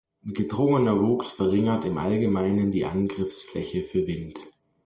Gedrungener Wuchs verringert im Allgemeinen die Angriffsfläche für Wind.